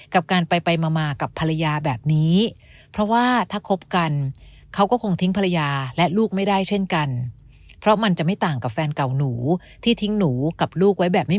กับการไปมากับภรรยาแบบนี้